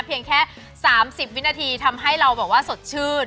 เพียงแค่๓๐วินาทีทำให้เราแบบว่าสดชื่น